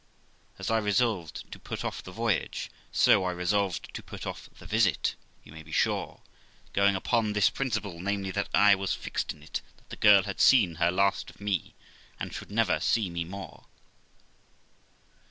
As I resolved to put oft' the voyage, so I resolved to put off the visit, you may be sure, going upon this principle, namely, that I was fixed in it that the girl had seen her last of me, and should never see me more.